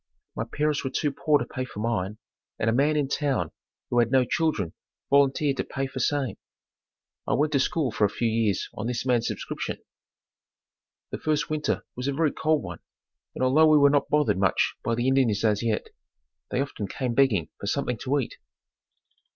My parents were too poor to pay for mine, and a man in town, who had no children volunteered to pay for same. I went to school for a few years on this man's subscription. The first winter was a very cold one and although we were not bothered much by the Indians as yet, they often came begging for something to eat.